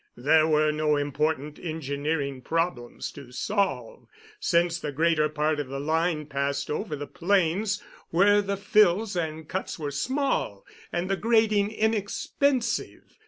There were no important engineering problems to solve, since the greater part of the line passed over the plains, where the fills and cuts were small and the grading inexpensive.